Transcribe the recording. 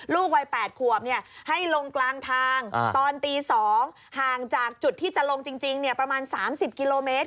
ลูกวัย๘ขวบให้ลงกลางทางตอนตี๒ห่างจากจุดที่จะลงจริงประมาณ๓๐กิโลเมตร